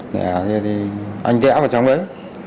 nè kia đi anh đẽ vào trong đấy